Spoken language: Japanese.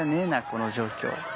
この状況。